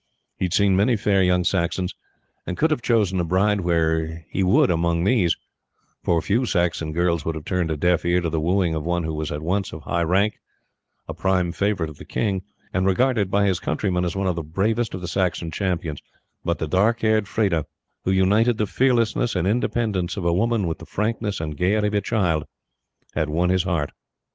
He had seen many fair young Saxons, and could have chosen a bride where he would among these, for few Saxons girls would have turned a deaf ear to the wooing of one who was at once of high rank, a prime favourite with the king, and regarded by his countrymen as one of the bravest of the Saxon champions; but the dark haired Freda, who united the fearlessness and independence of a woman with the frankness and gaiety of a child, had won his heart.